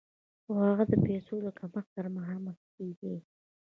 خو هغه د پیسو له کمښت سره مخامخ کېږي